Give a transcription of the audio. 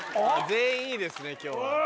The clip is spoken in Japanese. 全員いいですね今日は。